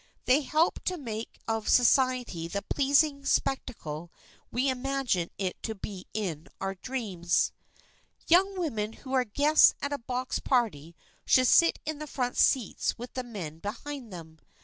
They help to make of society the pleasing spectacle which we imagine it to be in our dreams. Young women who are guests at a box party should sit in the front seats with the men behind them.